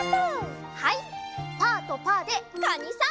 はいパーとパーでカニさん！